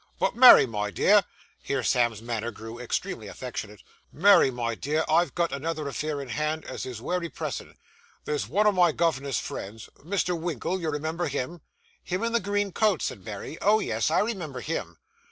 'But Mary, my dear' here Sam's manner grew extremely affectionate 'Mary, my dear, I've got another affair in hand as is wery pressin'. There's one o' my governor's friends Mr. Winkle, you remember him?' 'Him in the green coat?' said Mary. 'Oh, yes, I remember him.